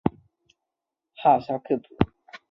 哈萨克族。